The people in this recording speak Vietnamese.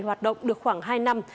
hoạt động được khoảng hai năm